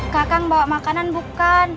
kakak bawa makanan bukan